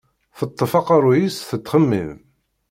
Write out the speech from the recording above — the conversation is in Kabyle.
Teṭṭef aqerruy-is tettxemmim.